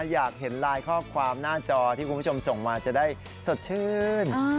อยากเห็นไลน์ข้อความหน้าจอที่คุณผู้ชมส่งมาจะได้สดชื่น